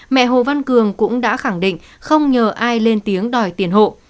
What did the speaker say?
mẹ hồ văn cường cũng đã khẳng định không nhờ ai lên tiếng đòi tiền hộ